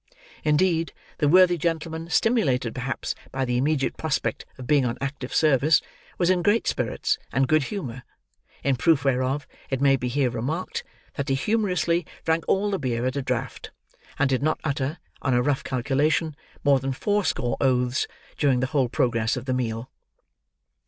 Indeed, the worthy gentleman, stimulated perhaps by the immediate prospect of being on active service, was in great spirits and good humour; in proof whereof, it may be here remarked, that he humourously drank all the beer at a draught, and did not utter, on a rough calculation, more than four score oaths during the whole progress of the meal.